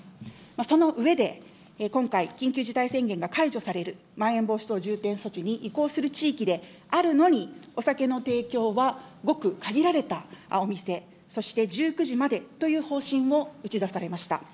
その上で、今回、緊急事態宣言が解除される、まん延防止等重点措置に移行する地域であるのに、お酒の提供はごく限られたお店、そして１９時までという方針を打ち出されました。